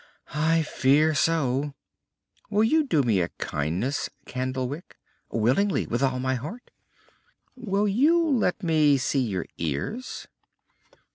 "I fear so." "Will you do me a kindness, Candlewick?" "Willingly! With all my heart." "Will you let me see your ears?"